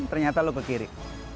ternyata lo ke kiri